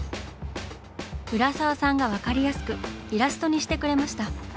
浦沢さんが分かりやすくイラストにしてくれました。